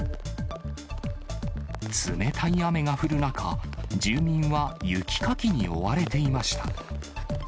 冷たい雨が降る中、住民は雪かきに追われていました。